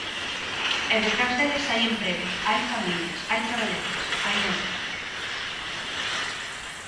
E detrás deles hai empregos, hai familias, hai traballadores, hai negocios.